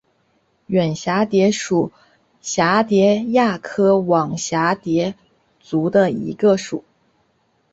远蛱蝶属是蛱蝶亚科网蛱蝶族中的一个属。